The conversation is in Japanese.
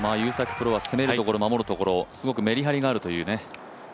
プロは攻めるところ、守るところ、すごくめりはりがあるというね。